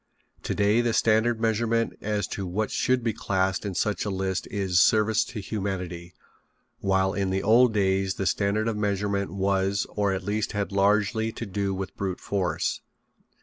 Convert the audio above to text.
Today the standard of measurement as to what should be classed in such a list is service to humanity, while in the old days the standard of measurement was or at least had largely to do with brute force.